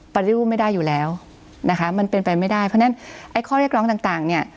ปฏิรูปไม่ได้อยู่แล้วนะคะมันเป็นไปไม่ได้เพราะฉะนั้นไอ้ข้อเรียกร้องต่างเนี่ย